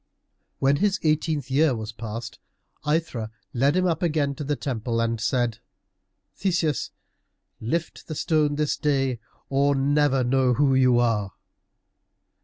When his eighteenth year was past, Aithra led him up again to the temple and said, "Theseus, lift the stone this day, or never know who you are."